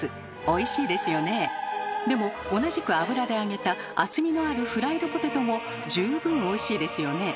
でも同じく油で揚げた厚みのあるフライドポテトも十分おいしいですよね。